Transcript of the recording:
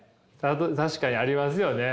確かにありますよね。